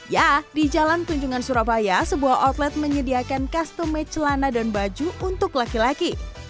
ya di jalan tunjungan surabaya sebuah outlet menyediakan customage celana dan baju untuk laki laki